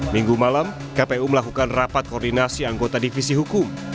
minggu malam kpu melakukan rapat koordinasi anggota divisi hukum